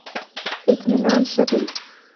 اطمینان ښه دی.